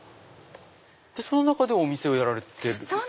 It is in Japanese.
その中でお店をやられてる。